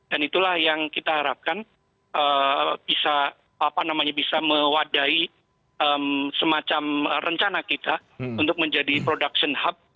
dan itulah yang kita harapkan bisa mewadai semacam rencana kita untuk menjadi produk yang berharga